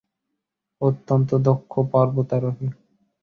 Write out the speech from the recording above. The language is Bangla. অত্যন্ত দক্ষ পর্বতারোহী।